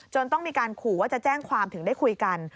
ต้องมีการขู่ว่าจะแจ้งความถึงได้คุยกัน